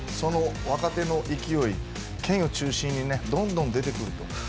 若手の勢い、ケイン中心にどんどん中心に出てくる。